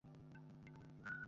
ঐটা একটা মৃত্যু ফাঁদ ছিলো।